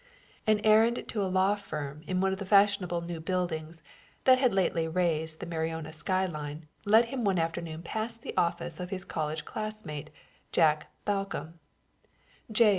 An errand to a law firm in one of the fashionable new buildings that had lately raised the Mariona sky line led him one afternoon past the office of his college classmate, Jack Balcomb. "J.